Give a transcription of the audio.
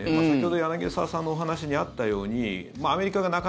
先ほど柳澤さんのお話にあったようにアメリカが